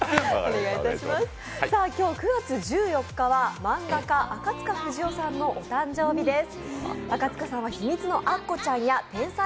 今日、９月１４日は漫画家・赤塚不二夫さんのお誕生日です。